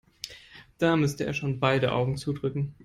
Da müsste er schon beide Augen zudrücken.